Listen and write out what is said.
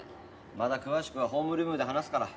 また詳しくはホームルームで話すから